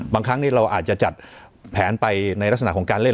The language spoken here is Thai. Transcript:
ครั้งนี้เราอาจจะจัดแผนไปในลักษณะของการเล่น